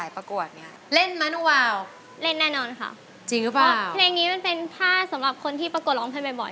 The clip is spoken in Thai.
เพราะว่าเพลงนี้มันเป็นภาพสำหรับคนที่ประกวดร้องเพลงบ่อย